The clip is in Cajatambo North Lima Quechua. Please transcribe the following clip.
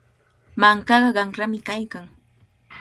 Mankaqa qanrami kaykan.